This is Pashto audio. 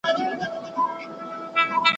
مه وایه: زه تا نشم هېرولی.